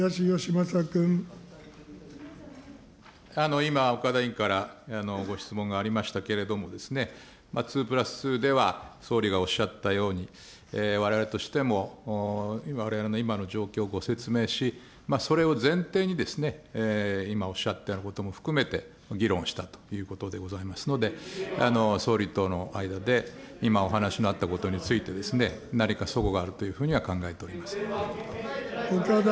今、岡田委員からご質問がありましたけれども、２プラス２では総理がおっしゃったように、われわれとしても、われわれの今の状況をご説明し、それを前提にですね、今おっしゃったようなことも含めて議論したということでございますので、総理との間で、今お話のあったことについて、何かそごがあるというふうには考えておりません。